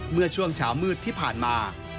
เมื่อช่วงเช้ามืดที่ผ่านมา